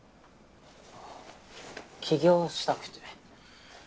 起業したくて。